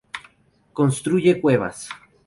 Construye cuevas.